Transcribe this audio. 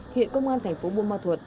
hiện công an thành phố bôn ma thuật